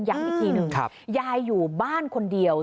อีกทีหนึ่งยายอยู่บ้านคนเดียว